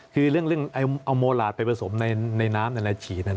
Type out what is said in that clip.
คือเรื่องเอาโมหลาดไปผสมในน้ำในอะไรฉีด